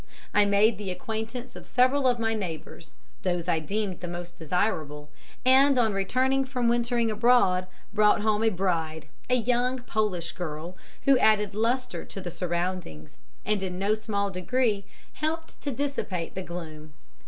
I made the acquaintance of several of my neighbours, those I deemed the most desirable, and on returning from wintering abroad, brought home a bride, a young Polish girl, who added lustre to the surroundings, and in no small degree helped to dissipate the gloom.